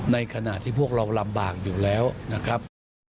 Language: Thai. ในขณะที่พวกเราลำบากอยู่แล้วนะครับ